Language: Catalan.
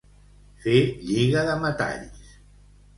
Fer lliga de metalls.